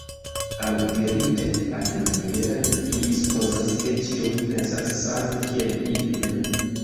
Aŭ dirite alimaniere, ili supozas, ke ĉiuj pensas same kiel ili mem.